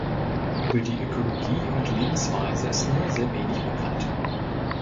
Über die Ökologie und Lebensweise ist nur sehr wenig bekannt.